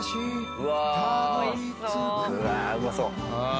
うわあうまそう！